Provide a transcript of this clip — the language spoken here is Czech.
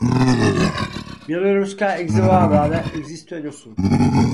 Běloruská exilová vláda existuje dosud.